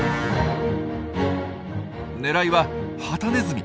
狙いはハタネズミ。